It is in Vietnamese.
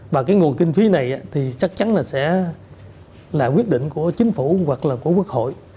và cái nguồn kinh phí này thì chắc chắn là sẽ là quyết định của chính phủ hoặc là của quốc hội